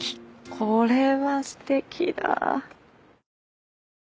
これはすてきだ。